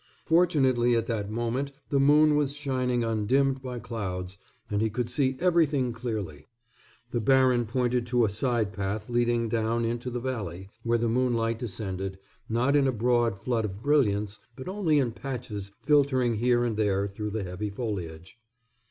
Fortunately at that moment the moon was shining undimmed by clouds, and he could see everything clearly. The baron pointed to a side path leading down into the valley, where the moonlight descended, not in a broad flood of brilliance, but only in patches filtering here and there through the heavy foliage.